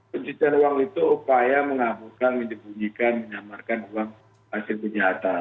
pencucian uang itu upaya mengaburkan menyembunyikan menyamarkan uang hasil kejahatan